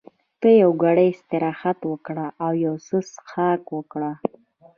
ته یو ګړی استراحت وکړه او یو څه څښاک وکړه.